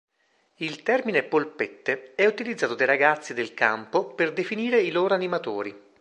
Il termine "Polpette" è utilizzato dai ragazzi del campo per definire i loro animatori.